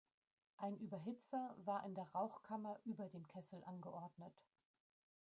Ein Überhitzer war in der Rauchkammer über dem Kessel angeordnet.